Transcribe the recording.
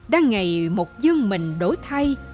đang ngày một dương mình đổi thay